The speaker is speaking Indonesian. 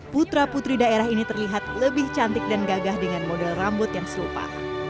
putra putri daerah ini terlihat lebih cantik dan gagah dengan model rambut yang serupa